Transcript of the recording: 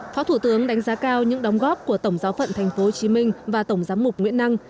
phó thủ tướng đánh giá cao những đóng góp của tổng giáo phận tp hcm và tổng giám mục nguyễn năng